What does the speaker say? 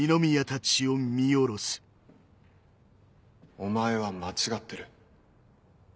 お前は間違ってる。